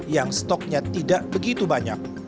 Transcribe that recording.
yang stoknya tidak begitu banyak